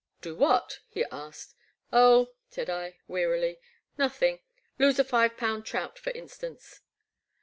"Do what?" he asked. Oh," said I wearily, " nothing— lose a five pound trout, for instance."